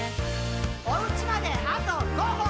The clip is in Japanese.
「おうちまであと５歩！」